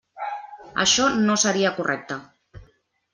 Això no seria correcte.